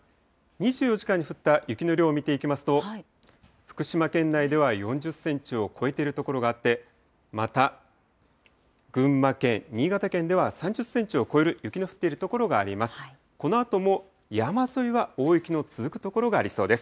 ２４時間に降った雪の量を見ていきますと、福島県内では４０センチを超えている所があって、また群馬県、新潟県では、３０センチを超える雪の降っている所があります。